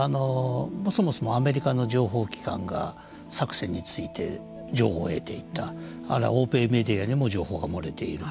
そもそもアメリカの情報機関が作戦について情報を得ていた欧米メディアにも情報が漏れている。